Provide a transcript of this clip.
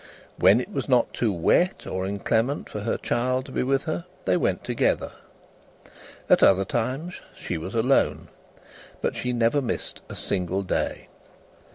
When it was not too wet or inclement for her child to be with her, they went together; at other times she was alone; but, she never missed a single day.